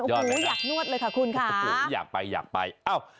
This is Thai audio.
ยอดเลยนะอยากไปอยากไปอยากไปอ้าว